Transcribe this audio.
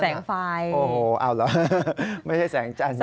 แสงไฟโอ้โหเอาเหรอไม่ใช่แสงจันทร์